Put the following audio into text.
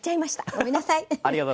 ごめんなさい。